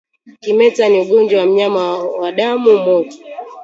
Kimeta ni ugonjwa wa wanyama wa damu moto